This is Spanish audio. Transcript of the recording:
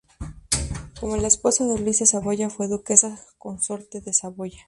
Como la esposa de Luis de Saboya, fue Duquesa consorte de Saboya.